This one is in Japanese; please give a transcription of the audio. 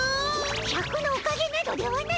シャクのおかげなどではない！